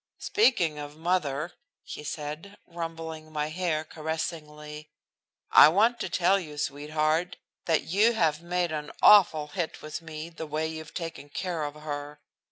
"Speaking of mother," he said, rumpling my hair caressingly, "I want to tell you, sweetheart, that you've made an awful hit with me the way you've taken care of her.